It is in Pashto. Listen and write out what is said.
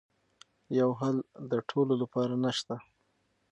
یو حل د ټولو لپاره نه شته.